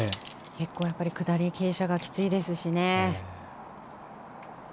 結構、下り傾斜がきついですしね。